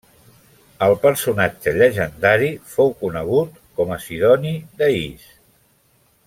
El personatge llegendari fou conegut com a Sidoni d'Ais.